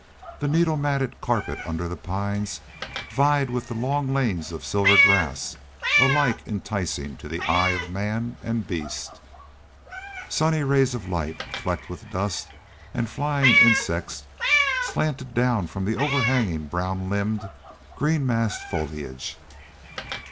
The needle matted carpet under the pines vied with the long lanes of silvery grass, alike enticing to the eye of man and beast. Sunny rays of light, flecked with dust and flying insects, slanted down from the overhanging brown limbed, green massed foliage.